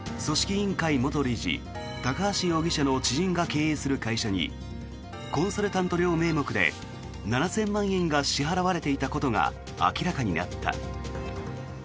委員会元理事高橋容疑者の知人が経営する会社にコンサルタント料名目で７０００万円が支払われていたことが明らかになった。